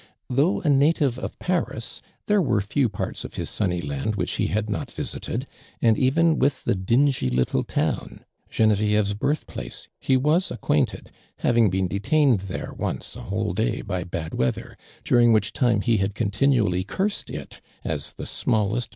Though a native of Paris, there were few parts of his sunny land which he had not visited, find even with the dingy little town, Genevieve's birth place, he was ac quainted, having been detained there once a whole day by bad weather, during which time he had continually cursed it as the smalle. t.